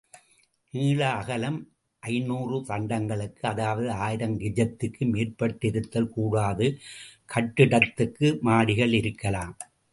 நீள அகலம் ஐநூறு தண்டங்களுக்கு, அதாவது ஆயிரம் கெஜத்துக்கு மேற்பட்டிருத்தல் கூடாது, கட்டிடத்துக்கு மாடிகள் இருக்கலாம்.